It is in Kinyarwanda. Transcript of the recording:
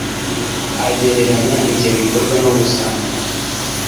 agereranya ibyo bikorwa n’ubusambo